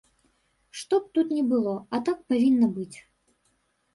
Што б тут ні было, а так павінна быць!